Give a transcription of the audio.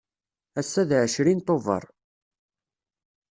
Ass-a d ɛecrin Tubeṛ.